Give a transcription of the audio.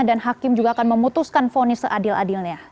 dan hakim juga akan memutuskan poni seadil adilnya